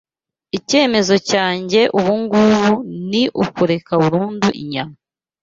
Icyemezo cyanjye ubungubu ni ukureka burundu inyama